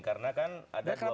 karena kan ada dua peristiwa